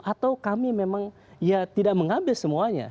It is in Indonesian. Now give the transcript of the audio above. atau kami memang ya tidak mengambil semuanya